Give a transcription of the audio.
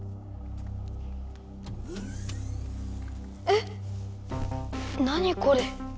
えっ何これ？